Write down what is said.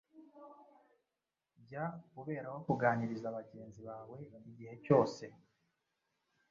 Jya uberaho kuganiriza bagenzi bawe igihe cyose